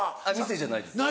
店じゃないです。